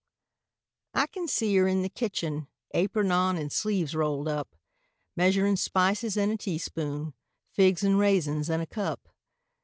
I can see her in the kitchen, Apron on and sleeves rolled up, Measurin' spices in a teaspoon, Figs and raisins in a cup.